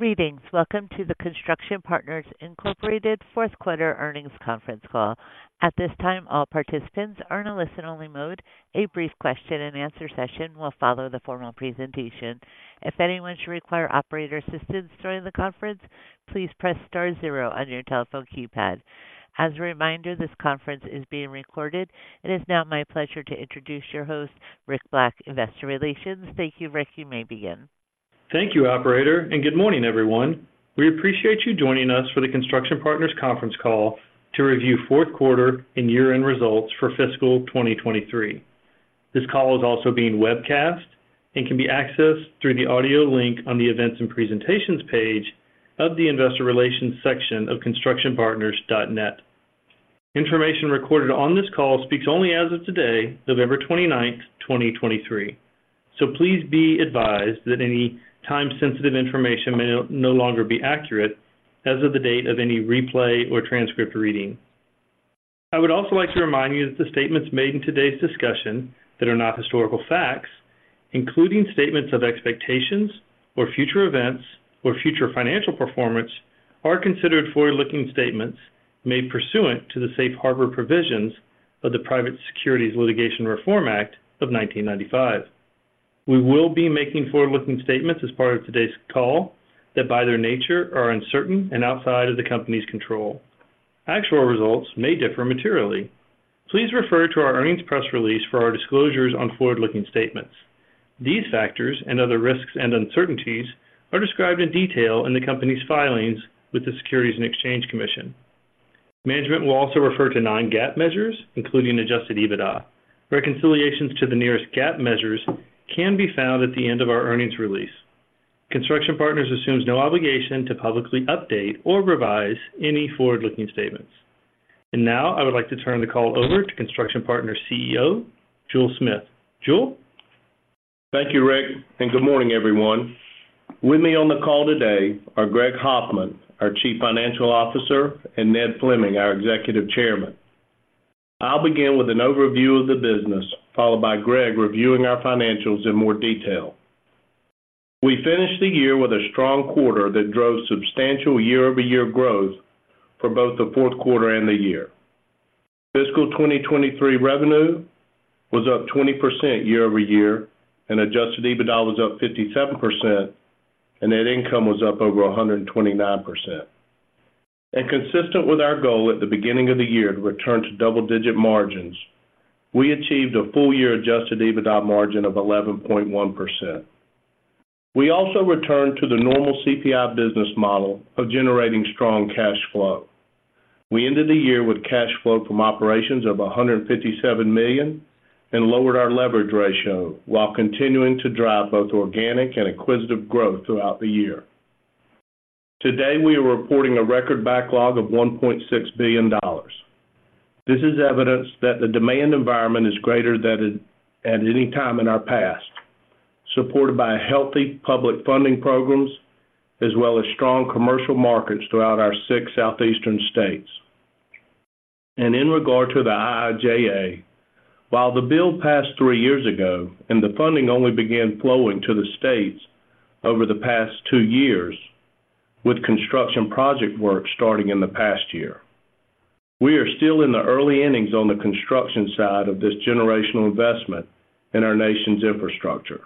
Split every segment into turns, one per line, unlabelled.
Greetings. Welcome to the Construction Partners Incorporated fourth quarter earnings conference call. At this time, all participants are in a listen-only mode. A brief question-and-answer session will follow the formal presentation. If anyone should require operator assistance during the conference, please press star zero on your telephone keypad. As a reminder, this conference is being recorded. It is now my pleasure to introduce your host, Rick Black, Investor Relations. Thank you, Rick. You may begin.
Thank you, operator, and good morning, everyone. We appreciate you joining us for the Construction Partners conference call to review fourth quarter and year-end results for fiscal 2023. This call is also being webcast and can be accessed through the audio link on the Events and Presentations page of the Investor Relations section of constructionpartners.net. Information recorded on this call speaks only as of today, November 29, 2023. So please be advised that any time-sensitive information may no longer be accurate as of the date of any replay or transcript reading. I would also like to remind you that the statements made in today's discussion that are not historical facts, including statements of expectations or future events or future financial performance, are considered forward-looking statements made pursuant to the Safe Harbor Provisions of the Private Securities Litigation Reform Act of 1995. We will be making forward-looking statements as part of today's call that, by their nature, are uncertain and outside of the Company's control. Actual results may differ materially. Please refer to our earnings press release for our disclosures on forward-looking statements. These factors and other risks and uncertainties are described in detail in the Company's filings with the Securities and Exchange Commission. Management will also refer to non-GAAP measures, including Adjusted EBITDA. Reconciliations to the nearest GAAP measures can be found at the end of our earnings release. Construction Partners assumes no obligation to publicly update or revise any forward-looking statements. Now, I would like to turn the call over to Construction Partners' CEO, Jule Smith. Jule?
Thank you, Rick, and good morning, everyone. With me on the call today are Greg Hoffman, our Chief Financial Officer, and Ned Fleming, our Executive Chairman. I'll begin with an overview of the business, followed by Greg reviewing our financials in more detail. We finished the year with a strong quarter that drove substantial year-over-year growth for both the fourth quarter and the year. Fiscal 2023 revenue was up 20% year-over-year, and adjusted EBITDA was up 57%, and net income was up over 129%. And consistent with our goal at the beginning of the year to return to double-digit margins, we achieved a full-year adjusted EBITDA margin of 11.1%. We also returned to the normal CPI business model of generating strong cash flow. We ended the year with cash flow from operations of $157 million and lowered our leverage ratio while continuing to drive both organic and acquisitive growth throughout the year. Today, we are reporting a record backlog of $1.6 billion. This is evidence that the demand environment is greater than at any time in our past, supported by a healthy public funding programs as well as strong commercial markets throughout our six southeastern states. And in regard to the IIJA, while the bill passed three years ago and the funding only began flowing to the states over the past two years, with construction project work starting in the past year, we are still in the early innings on the construction side of this generational investment in our nation's infrastructure.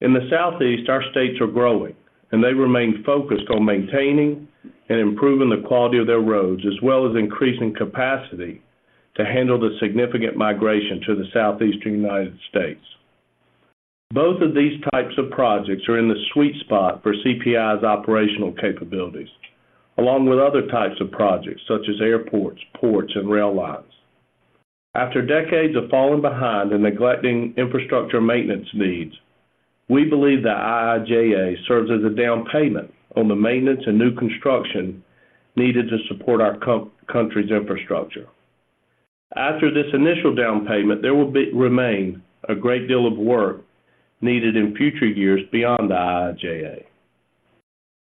In the Southeast, our states are growing, and they remain focused on maintaining and improving the quality of their roads, as well as increasing capacity to handle the significant migration to the southeastern United States. Both of these types of projects are in the sweet spot for CPI's operational capabilities, along with other types of projects such as airports, ports, and rail lines. After decades of falling behind and neglecting infrastructure maintenance needs, we believe the IIJA serves as a down payment on the maintenance and new construction needed to support our country's infrastructure. After this initial down payment, there will remain a great deal of work needed in future years beyond the IIJA.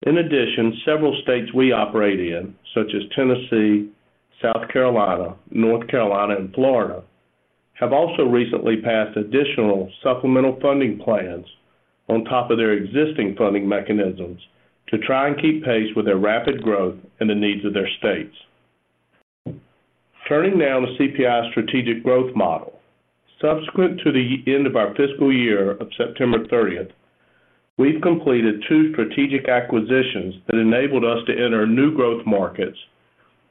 In addition, several states we operate in, such as Tennessee, South Carolina, North Carolina, and Florida, have also recently passed additional supplemental funding plans on top of their existing funding mechanisms to try and keep pace with their rapid growth and the needs of their states. Turning now to CPI's strategic growth model. Subsequent to the end of our fiscal year of September 30, we've completed two strategic acquisitions that enabled us to enter new growth markets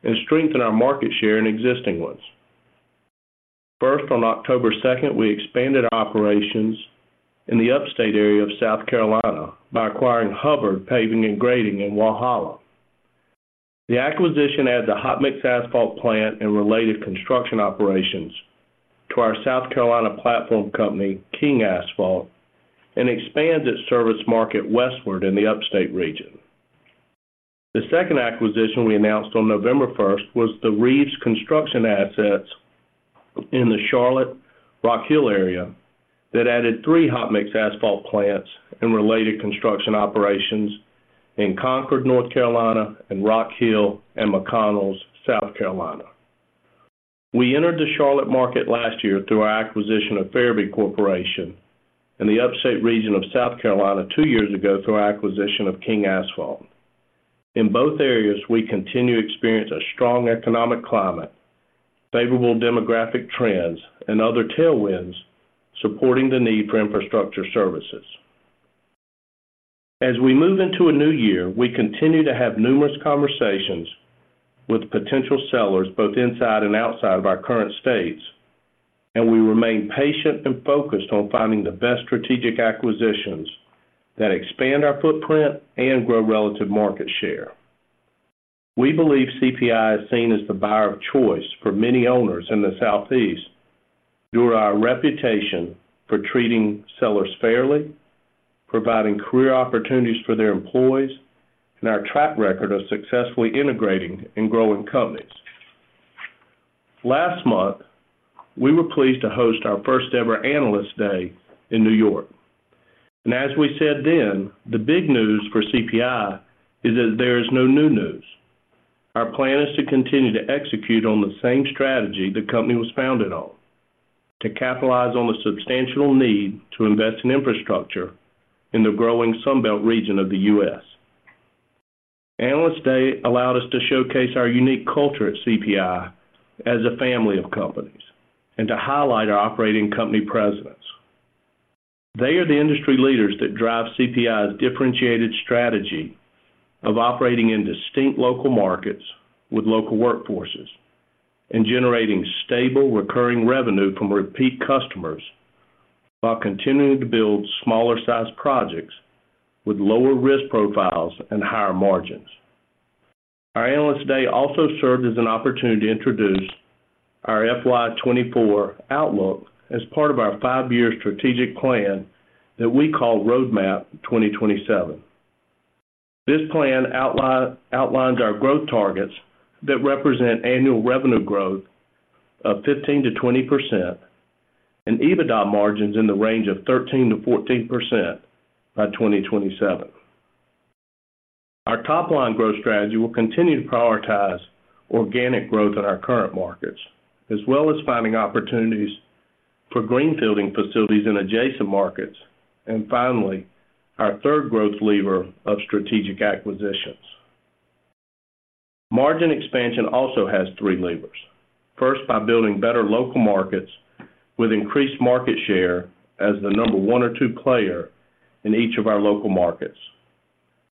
and strengthen our market share in existing ones. First, on October 2, we expanded our operations in the upstate area of South Carolina by acquiring Hubbard Paving & Grading in Walhalla. The acquisition adds a hot mix asphalt plant and related construction operations to our South Carolina platform company, King Asphalt, and expands its service market westward in the upstate region. The second acquisition we announced on November 1st, was the Reeves Construction assets in the Charlotte, Rock Hill area that added three hot mix asphalt plants and related construction operations in Concord, North Carolina, and Rock Hill and McConnells, South Carolina. We entered the Charlotte market last year through our acquisition of Ferebee Corporation, in the upstate region of South Carolina two years ago, through our acquisition of King Asphalt. In both areas, we continue to experience a strong economic climate, favorable demographic trends, and other tailwinds supporting the need for infrastructure services. As we move into a new year, we continue to have numerous conversations with potential sellers, both inside and outside of our current states, and we remain patient and focused on finding the best strategic acquisitions that expand our footprint and grow relative market share. We believe CPI is seen as the buyer of choice for many owners in the Southeast, due to our reputation for treating sellers fairly, providing career opportunities for their employees, and our track record of successfully integrating and growing companies. Last month, we were pleased to host our first-ever Analyst Day in New York. As we said then, the big news for CPI is that there is no new news. Our plan is to continue to execute on the same strategy the company was founded on: to capitalize on the substantial need to invest in infrastructure in the growing Sun Belt region of the U.S. Analyst Day allowed us to showcase our unique culture at CPI as a family of companies, and to highlight our operating company presidents. They are the industry leaders that drive CPI's differentiated strategy of operating in distinct local markets with local workforces and generating stable, recurring revenue from repeat customers, while continuing to build smaller-sized projects with lower risk profiles and higher margins. Our Analyst Day also served as an opportunity to introduce our FY 2024 outlook as part of our five-year strategic plan that we call Roadmap 2027. This plan outlines our growth targets that represent annual revenue growth of 15%-20% and EBITDA margins in the range of 13%-14% by 2027. Our top-line growth strategy will continue to prioritize organic growth in our current markets, as well as finding opportunities for greenfielding facilities in adjacent markets, and finally, our third growth lever of strategic acquisitions. Margin expansion also has three levers. First, by building better local markets with increased market share as the number one or two player in each of our local markets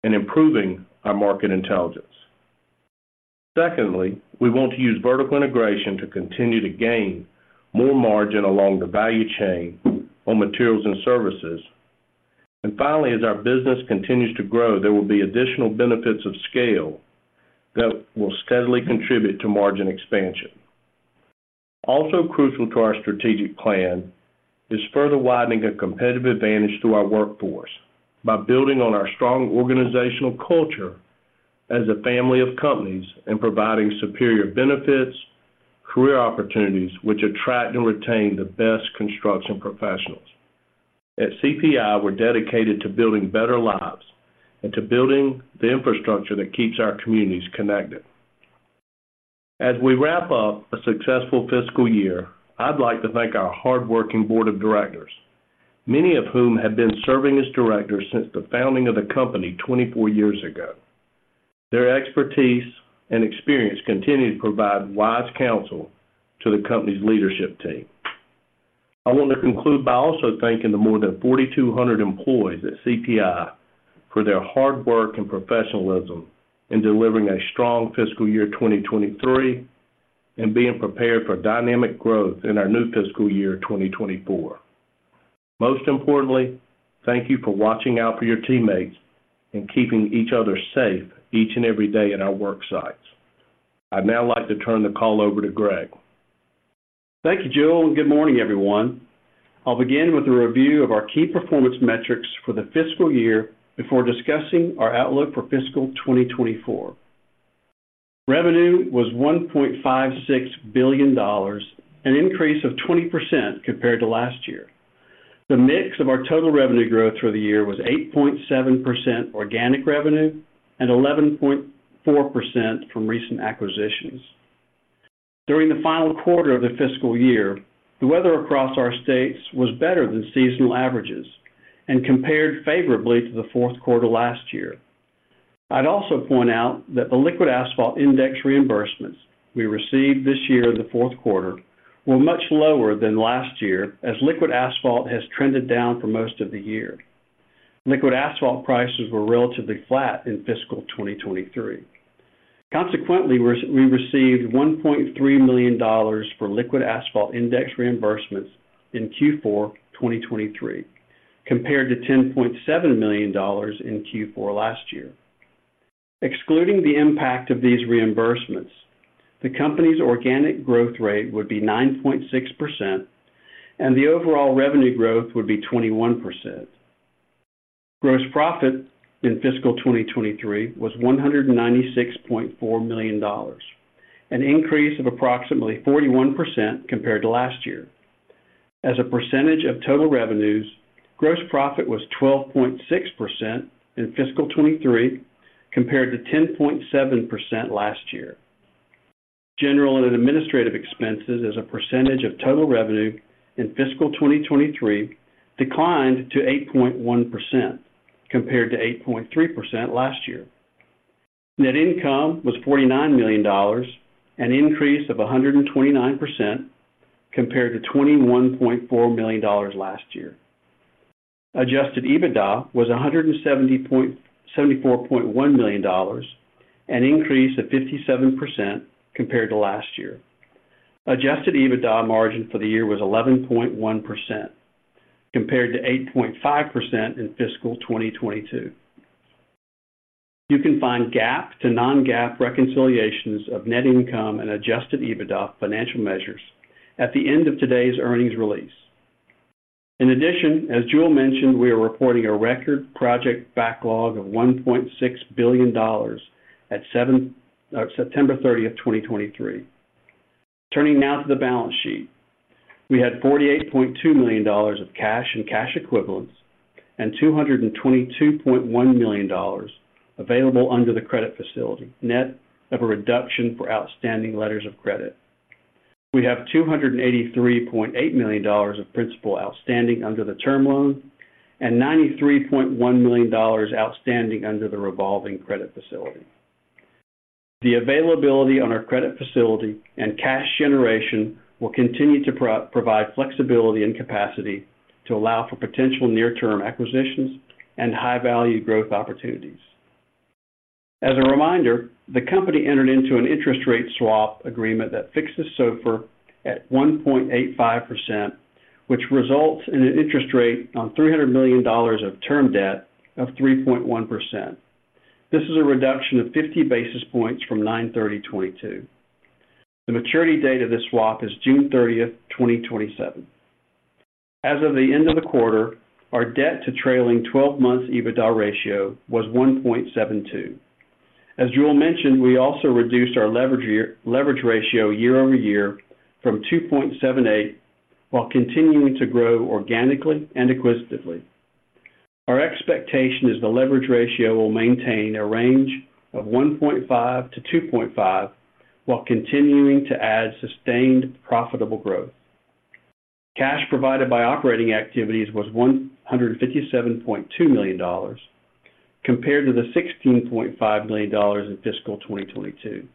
and improving our market intelligence. Secondly, we want to use vertical integration to continue to gain more margin along the value chain on materials and services. Finally, as our business continues to grow, there will be additional benefits of scale that will steadily contribute to margin expansion. Also crucial to our strategic plan is further widening a competitive advantage through our workforce by building on our strong organizational culture as a family of companies and providing superior benefits, career opportunities, which attract and retain the best construction professionals. At CPI, we're dedicated to building better lives and to building the infrastructure that keeps our communities connected. As we wrap up a successful fiscal year, I'd like to thank our hardworking board of directors, many of whom have been serving as directors since the founding of the company 24 years ago. Their expertise and experience continue to provide wise counsel to the company's leadership team. I want to conclude by also thanking the more than 4,200 employees at CPI for their hard work and professionalism in delivering a strong fiscal year 2023, and being prepared for dynamic growth in our new fiscal year 2024. Most importantly, thank you for watching out for your teammates and keeping each other safe each and every day in our work sites. I'd now like to turn the call over to Greg.
Thank you, Jule, and good morning, everyone. I'll begin with a review of our key performance metrics for the fiscal year before discussing our outlook for fiscal 2024. Revenue was $1.56 billion, an increase of 20% compared to last year. The mix of our total revenue growth for the year was 8.7% organic revenue and 11.4% from recent acquisitions. During the final quarter of the fiscal year, the weather across our states was better than seasonal averages and compared favorably to the fourth quarter last year. I'd also point out that the liquid asphalt index reimbursements we received this year in the fourth quarter were much lower than last year, as liquid asphalt has trended down for most of the year. Liquid asphalt prices were relatively flat in fiscal 2023. Consequently, we received $1.3 million for liquid asphalt index reimbursements in Q4 2023, compared to $10.7 million in Q4 last year. Excluding the impact of these reimbursements, the company's organic growth rate would be 9.6%, and the overall revenue growth would be 21%. Gross profit in fiscal 2023 was $196.4 million, an increase of approximately 41% compared to last year. As a percentage of total revenues, gross profit was 12.6% in fiscal 2023, compared to 10.7% last year. General and administrative expenses as a percentage of total revenue in fiscal 2023 declined to 8.1%, compared to 8.3% last year. Net income was $49 million, an increase of 129%, compared to $21.4 million last year. Adjusted EBITDA was $74.1 million, an increase of 57% compared to last year. Adjusted EBITDA margin for the year was 11.1%, compared to 8.5% in fiscal 2022. You can find GAAP to non-GAAP reconciliations of net income and adjusted EBITDA financial measures at the end of today's earnings release. In addition, as Jule mentioned, we are reporting a record project backlog of $1.6 billion at September 30, 2023. Turning now to the balance sheet. We had $48.2 million of cash and cash equivalents, and $222.1 million available under the credit facility, net of a reduction for outstanding letters of credit. We have $283.8 million of principal outstanding under the term loan and $93.1 million outstanding under the revolving credit facility. The availability on our credit facility and cash generation will continue to provide flexibility and capacity to allow for potential near-term acquisitions and high-value growth opportunities. As a reminder, the company entered into an interest rate swap agreement that fixes SOFR at 1.85%, which results in an interest rate on $300 million of term debt of 3.1%. This is a reduction of 50 basis points from September 30, 2022. The maturity date of this swap is June 30, 2027. As of the end of the quarter, our debt-to trailing twelve months EBITDA ratio was 1.72. As Jule mentioned, we also reduced our leverage ratio year-over-year from 2.78, while continuing to grow organically and acquisitively. Our expectation is the leverage ratio will maintain a range of 1.5-2.5, while continuing to add sustained profitable growth. Cash provided by operating activities was $157.2 million, compared to $16.5 million in fiscal 2022.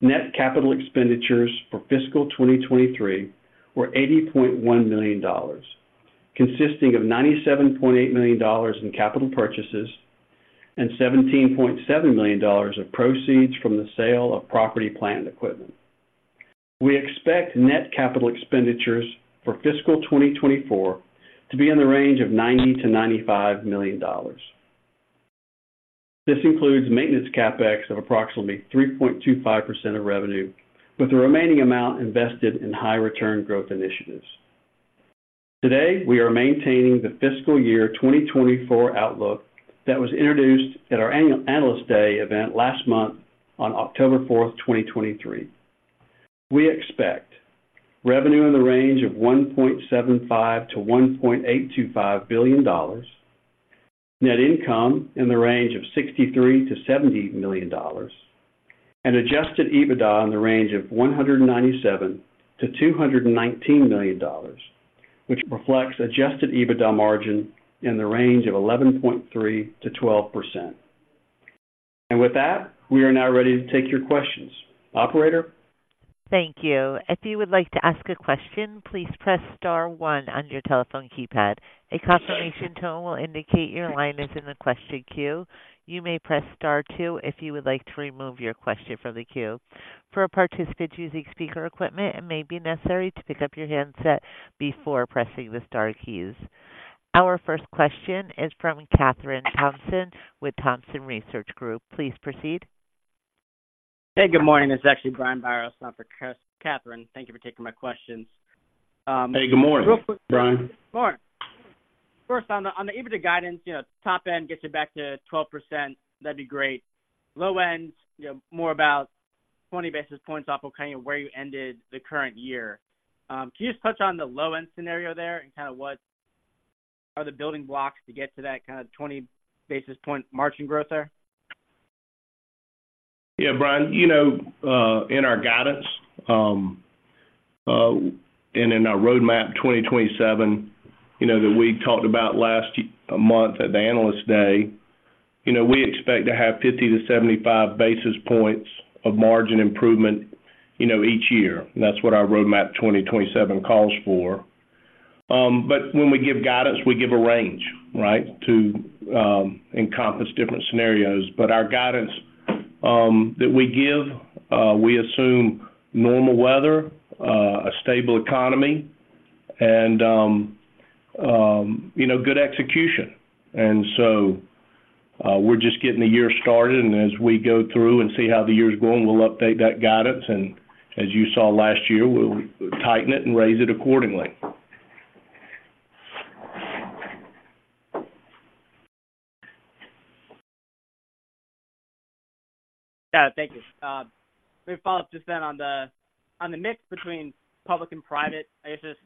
Net capital expenditures for fiscal 2023 were $80.1 million, consisting of $97.8 million in capital purchases and $17.7 million of proceeds from the sale of property plant equipment. We expect net capital expenditures for fiscal 2024 to be in the range of $90-$95 million. This includes maintenance CapEx of approximately 3.25% of revenue, with the remaining amount invested in high-return growth initiatives. Today, we are maintaining the fiscal year 2024 outlook that was introduced at our annual Analyst Day event last month on October 4, 2023. We expect revenue in the range of $1.75-$1.825 billion, net income in the range of $63-$70 million, and Adjusted EBITDA in the range of $197-$219 million, which reflects Adjusted EBITDA margin in the range of 11.3%-12%. And with that, we are now ready to take your questions. Operator?
Thank you. If you would like to ask a question, please press star one on your telephone keypad. A confirmation tone will indicate your line is in the question queue. You may press star two if you would like to remove your question from the queue. For participants using speaker equipment, it may be necessary to pick up your handset before pressing the star keys. Our first question is from Kathryn Thompson with Thompson Research Group. Please proceed.
Hey, good morning. It's actually Brian Biros, not for Kathryn. Thank you for taking my questions.
Hey, good morning, Brian.
Good morning. First, on the EBITDA guidance, you know, top end gets you back to 12%. That'd be great. Low end, you know, more about 20 basis points off of kind of where you ended the current year. Can you just touch on the low-end scenario there and kind of what are the building blocks to get to that kind of 20 basis point margin growth there?
Yeah, Brian, you know, in our guidance, and in our Roadmap 2027, you know, that we talked about last month at the Analyst Day, you know, we expect to have 50 basis points-75 basis points of margin improvement, you know, each year. And that's what our Roadmap 2027 calls for. But when we give guidance, we give a range, right? To encompass different scenarios. But our guidance, that we give, we assume normal weather, a stable economy and, you know, good execution. And so, we're just getting the year started, and as we go through and see how the year is going, we'll update that guidance, and as you saw last year, we'll tighten it and raise it accordingly. ...
thank you. Quick follow-up just then on the mix between public and private. I guess, just,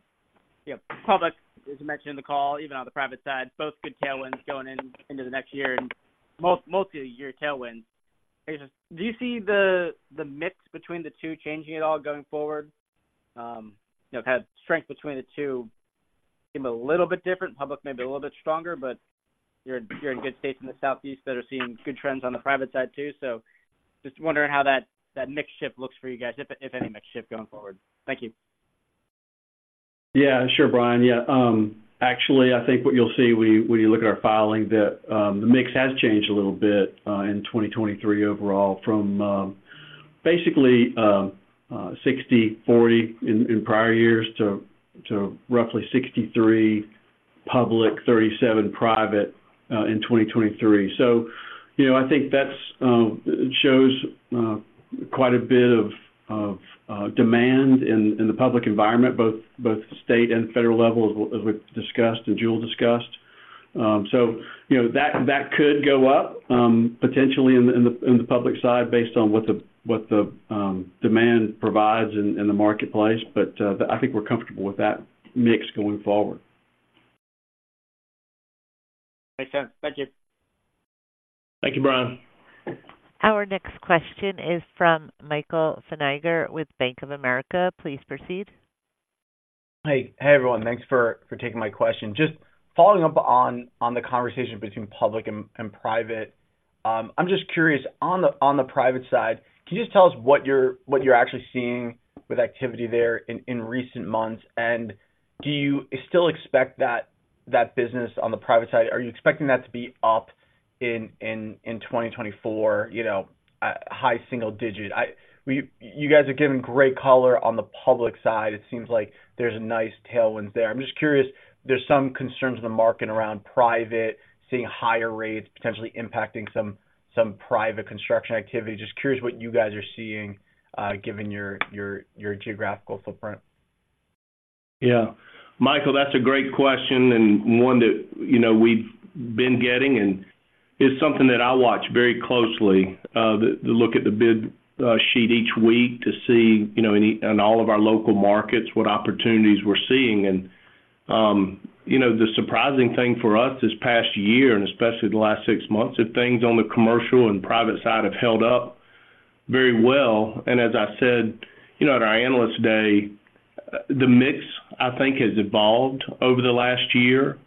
you know, public, as you mentioned in the call, even on the private side, both good tailwinds going in, into the next year and multi-year tailwinds. I just. Do you see the mix between the two changing at all going forward? You know, kind of strength between the two seem a little bit different. Public may be a little bit stronger, but you're in, you're in good states in the Southeast that are seeing good trends on the private side, too. So just wondering how that mix shift looks for you guys, if, if any mix shift going forward. Thank you.
Yeah, sure, Brian. Yeah, actually, I think what you'll see when you look at our filing, that the mix has changed a little bit in 2023 overall from basically 60/40 in prior years to roughly 63 public/37 private in 2023. So, you know, I think that's it shows quite a bit of demand in the public environment, both state and federal level, as we've discussed and Jule discussed. So, you know, that could go up potentially in the public side based on what the demand provides in the marketplace. But, I think we're comfortable with that mix going forward.
Makes sense. Thank you.
Thank you, Brian.
Our next question is from Michael Feniger with Bank of America. Please proceed.
Hey. Hey, everyone, thanks for taking my question. Just following up on the conversation between public and private. I'm just curious, on the private side, can you just tell us what you're actually seeing with activity there in recent months? And do you still expect that business on the private side, are you expecting that to be up in 2024, you know, high single digit? You guys are giving great color on the public side. It seems like there's a nice tailwinds there. I'm just curious, there's some concerns in the market around private, seeing higher rates potentially impacting some private construction activity. Just curious what you guys are seeing, given your geographical footprint.
Yeah. Michael, that's a great question and one that, you know, we've been getting, and it's something that I watch very closely. I look at the bid sheet each week to see, you know, in all of our local markets, what opportunities we're seeing. And, you know, the surprising thing for us this past year, and especially the last six months, is things on the commercial and private side have held up very well. And as I said, you know, at our Analyst Day, the mix, I think, has evolved over the last year.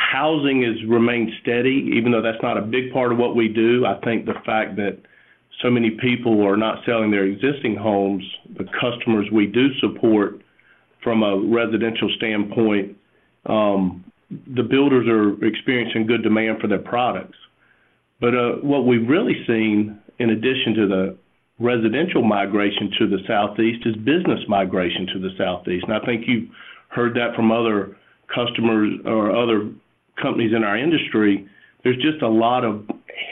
Housing has remained steady, even though that's not a big part of what we do. I think the fact that so many people are not selling their existing homes, the customers we do support from a residential standpoint, the builders are experiencing good demand for their products. What we've really seen, in addition to the residential migration to the Southeast, is business migration to the SouthEast. I think you've heard that from other customers or other companies in our industry. There's just a lot of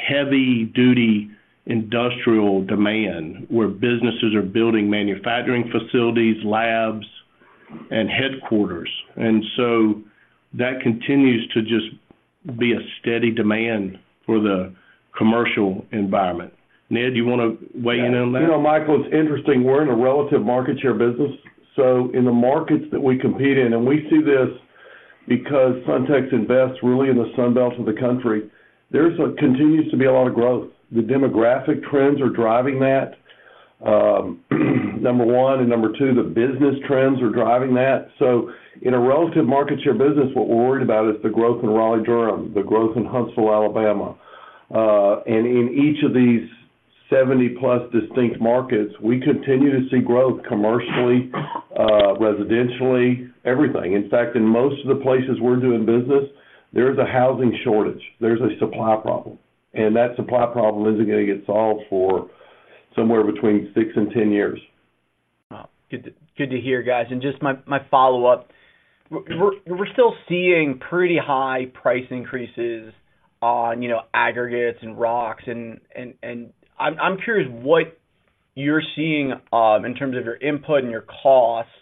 heavy duty industrial demand, where businesses are building manufacturing facilities, labs, and headquarters. That continues to just be a steady demand for the commercial environment. Ned, do you wanna weigh in on that?
You know, Michael, it's interesting. We're in a relative market share business, so in the markets that we compete in, and we see this because SunTx invests really in the Sunbelt of the country, there's continued to be a lot of growth. The demographic trends are driving that, number one, and number two, the business trends are driving that. So in a relative market share business, what we're worried about is the growth in Raleigh-Durham, the growth in Huntsville, Alabama. And in each of these 70+ distinct markets, we continue to see growth commercially, residentially, everything. In fact, in most of the places we're doing business, there is a housing shortage, there's a supply problem, and that supply problem isn't gonna get solved for somewhere between six and 10 years.
Wow! Good to hear, guys. And just my follow-up, we're still seeing pretty high price increases on, you know, aggregates and rocks. I'm curious what you're seeing in terms of your input and your costs,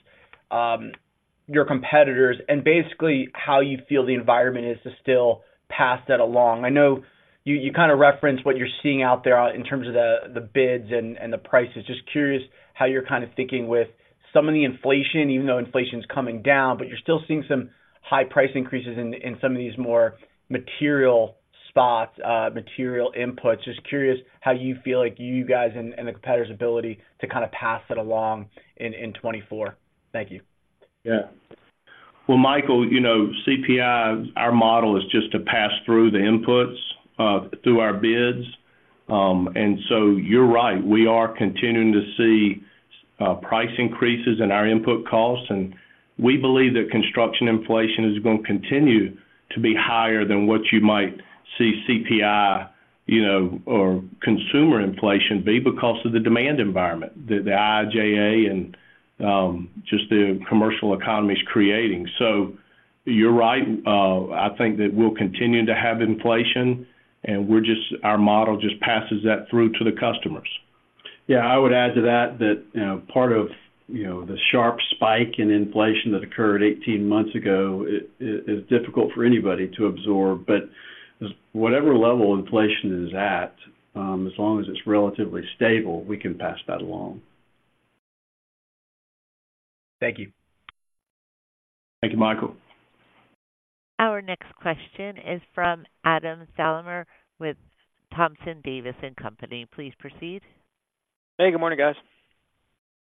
your competitors, and basically how you feel the environment is to still pass that along. I know you kind of referenced what you're seeing out there in terms of the bids and the prices. Just curious how you're kind of thinking with some of the inflation, even though inflation is coming down, but you're still seeing some high price increases in some of these more material spots, material inputs. Just curious how you feel like you guys and the competitor's ability to kind of pass it along in 2024. Thank you.
Yeah. Well, Michael, you know, CPI, our model is just to pass through the inputs through our bids. And so you're right, we are continuing to see price increases in our input costs, and we believe that construction inflation is going to continue to be higher than what you might see CPI, you know, or consumer inflation be, because of the demand environment, the IIJA and just the commercial economy is creating. So you're right. I think that we'll continue to have inflation, and we're just, our model just passes that through to the customer....
Yeah, I would add to that, that, you know, part of, you know, the sharp spike in inflation that occurred 18 months ago, it, it is difficult for anybody to absorb. But whatever level inflation is at, as long as it's relatively stable, we can pass that along.
Thank you.
Thank you, Michael.
Our next question is from Adam Thalhimer with Thompson, Davis & Company. Please proceed.
Hey, good morning, guys.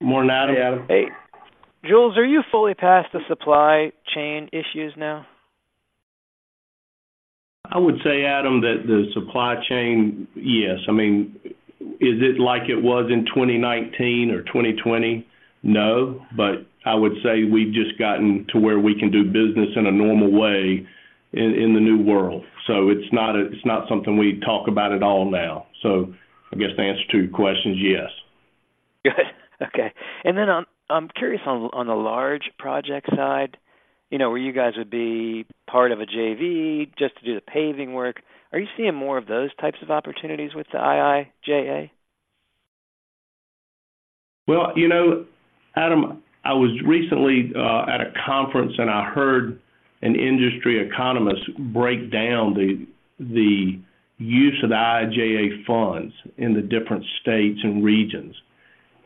Good morning, Adam.
Hey, Adam.
Hey. Jule, are you fully past the supply chain issues now?
I would say, Adam, that the supply chain, yes. I mean, is it like it was in 2019 or 2020? No, but I would say we've just gotten to where we can do business in a normal way in the new world. So it's not something we talk about at all now. So I guess the answer to your question is yes.
Good. Okay. And then I'm curious on the large project side, you know, where you guys would be part of a JV just to do the paving work. Are you seeing more of those types of opportunities with the IIJA?
Well, you know, Adam, I was recently at a conference, and I heard an industry economist break down the use of the IIJA funds in the different states and regions.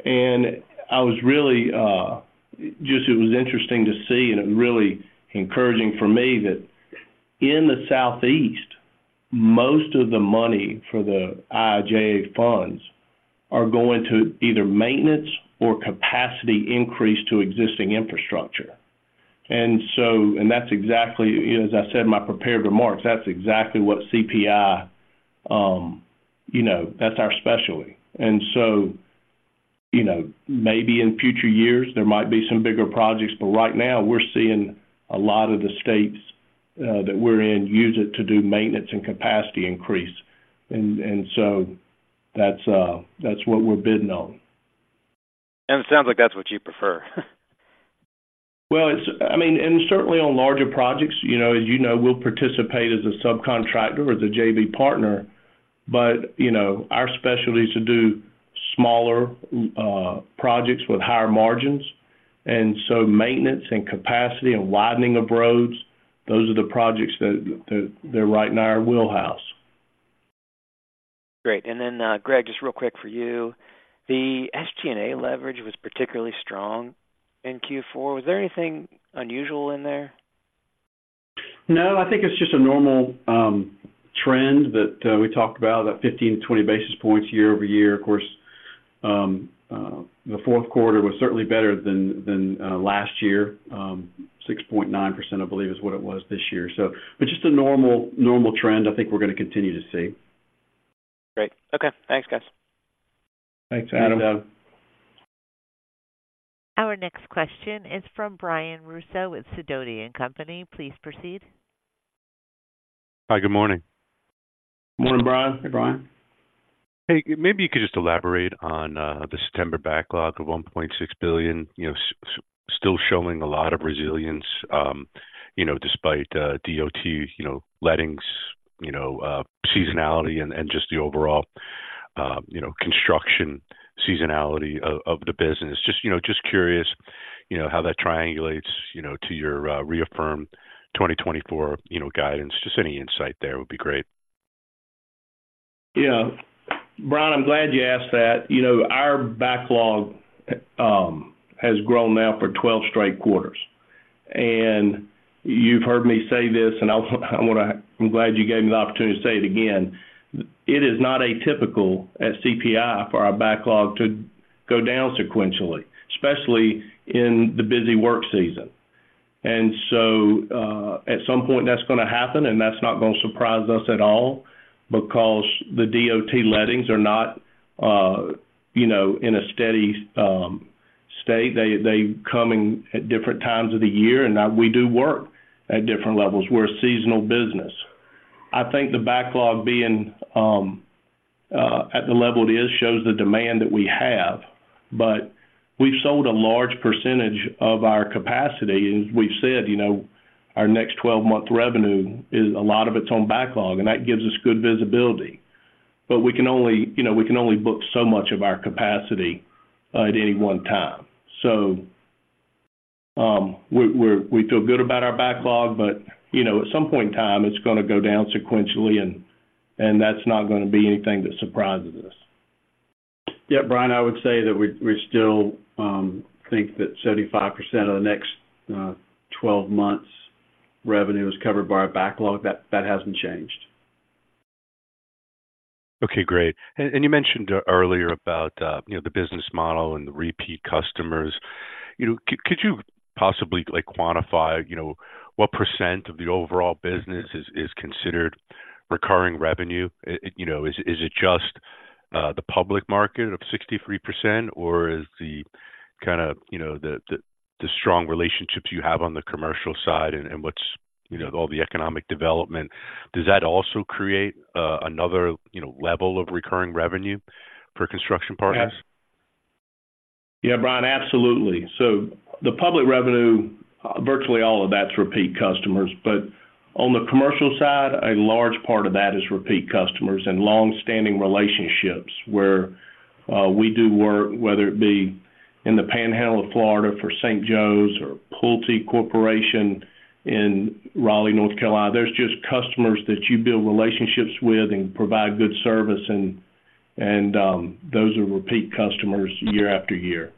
And I was really just it was interesting to see, and it really encouraging for me that in the Southeast, most of the money for the IIJA funds are going to either maintenance or capacity increase to existing infrastructure. And so, and that's exactly, as I said in my prepared remarks, that's exactly what CPI, you know, that's our specialty. And so, you know, maybe in future years, there might be some bigger projects, but right now, we're seeing a lot of the states that we're in use it to do maintenance and capacity increase. And so that's what we're bidding on.
It sounds like that's what you prefer.
Well, it's—I mean, and certainly on larger projects, you know, as you know, we'll participate as a subcontractor or as a JV partner. But, you know, our specialty is to do smaller projects with higher margins, and so maintenance and capacity and widening of roads, those are the projects that they're right in our wheelhouse.
Great. And then, Greg, just real quick for you. The SG&A leverage was particularly strong in Q4. Was there anything unusual in there?
No, I think it's just a normal trend that we talked about, that 15 basis points-20 basis points year-over-year. Of course, the fourth quarter was certainly better than, than, last year. 6.9%, I believe, is what it was this year. So, but just a normal, normal trend I think we're going to continue to see.
Great. Okay. Thanks, guys.
Thanks, Adam.
Thanks, Adam.
Our next question is from Brian Russo with Sidoti & Company. Please proceed.
Hi, good morning.
Morning, Brian.
Hey, Brian.
Hey, maybe you could just elaborate on the September backlog of $1.6 billion, you know, still showing a lot of resilience, you know, despite DOT, you know, lettings, you know, seasonality and just the overall, you know, construction seasonality of the business. Just, you know, just curious, you know, how that triangulates, you know, to your reaffirmed 2024, you know, guidance. Just any insight there would be great.
Yeah. Brian, I'm glad you asked that. You know, our backlog has grown now for 12 straight quarters. And you've heard me say this, and I wanna. I'm glad you gave me the opportunity to say it again. It is not atypical at CPI for our backlog to go down sequentially, especially in the busy work season. And so, at some point, that's going to happen, and that's not going to surprise us at all because the DOT lettings are not, you know, in a steady state. They come in at different times of the year, and we do work at different levels. We're a seasonal business. I think the backlog being at the level it is shows the demand that we have, but we've sold a large percentage of our capacity. And we've said, you know, our next 12-month revenue is a lot of it's on backlog, and that gives us good visibility. But we can only, you know, we can only book so much of our capacity at any one time. So, we feel good about our backlog, but, you know, at some point in time, it's going to go down sequentially, and that's not going to be anything that surprises us.
Yeah, Brian, I would say that we still think that 75% of the next 12 months' revenue is covered by our backlog. That hasn't changed.
Okay, great. And you mentioned earlier about, you know, the business model and the repeat customers. You know, could you possibly, like, quantify, you know, what percent of the overall business is considered recurring revenue? You know, is it just the public market of 63%, or is the kind of, you know, the strong relationships you have on the commercial side and what's, you know, all the economic development, does that also create another, you know, level of recurring revenue for Construction Partners?...
Yeah, Brian, absolutely. So the public revenue, virtually all of that's repeat customers, but on the commercial side, a large part of that is repeat customers and long-standing relationships where, we do work, whether it be in the Panhandle of Florida for St. Joe's or Pulte Corporation in Raleigh, North Carolina. There's just customers that you build relationships with and provide good service and, and, those are repeat customers year after year.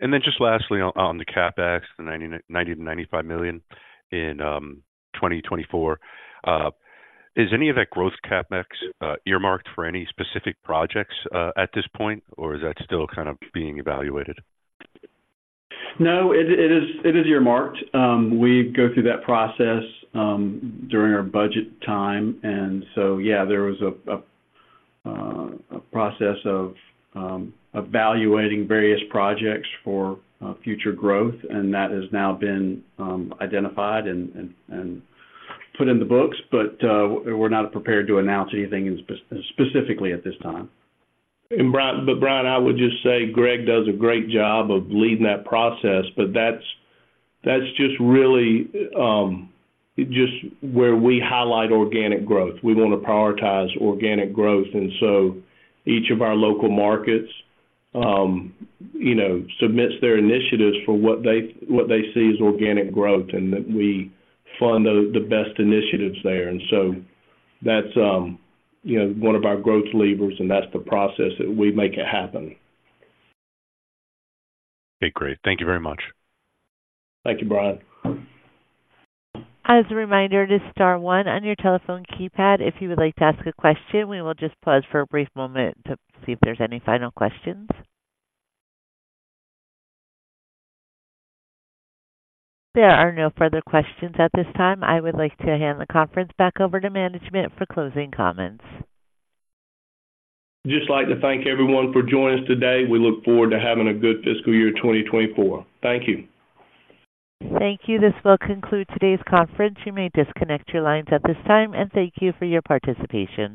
And then just lastly on, on the CapEx, the $90 million-$95 million in 2024. Is any of that growth CapEx earmarked for any specific projects at this point, or is that still kind of being evaluated?
No, it is earmarked. We go through that process during our budget time, and so, yeah, there was a process of evaluating various projects for future growth, and that has now been identified and put in the books, but we're not prepared to announce anything specific at this time.
And Brian, I would just say Greg does a great job of leading that process, but that's, that's just really just where we highlight organic growth. We want to prioritize organic growth, and so each of our local markets, you know, submits their initiatives for what they, what they see as organic growth, and then we fund the, the best initiatives there. And so that's, you know, one of our growth levers, and that's the process that we make it happen.
Okay, great. Thank you very much.
Thank you, Brian.
As a reminder, just star one on your telephone keypad, if you would like to ask a question. We will just pause for a brief moment to see if there's any final questions. There are no further questions at this time. I would like to hand the conference back over to management for closing comments.
Just like to thank everyone for joining us today. We look forward to having a good fiscal year 2024. Thank you.
Thank you. This will conclude today's conference. You may disconnect your lines at this time, and thank you for your participation.